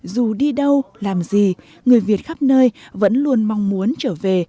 dù đi đâu làm gì người việt khắp nơi vẫn luôn mong muốn trở về